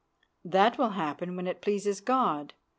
"That will happen when it pleases God.